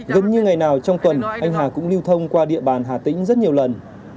gần như ngày nào trong tuần anh hà cũng lưu thông qua địa bàn hà tĩnh rất nhiều lần